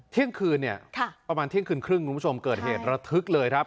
เที่ยงคืนเนี่ยประมาณเที่ยงคืนครึ่งคุณผู้ชมเกิดเหตุระทึกเลยครับ